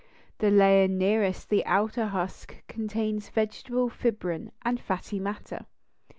The layer nearest the outer husk contains vegetable fibrin and fatty matter.